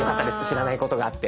知らないことがあって。